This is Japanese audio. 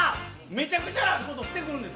めちゃくちゃなことしてくるんです！